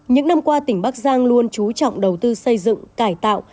những năm qua tỉnh bắc giang luôn trú trọng đầu tư xây dựng cải tạo